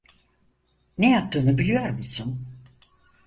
Ne yaptığını biliyor musun?